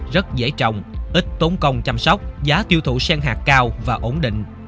rất dễ trồng ít tốn công chăm sóc giá tiêu thụ sen hạt cao và ổn định